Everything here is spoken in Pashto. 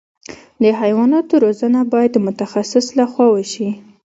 د حیواناتو روزنه باید د متخصص له خوا وشي.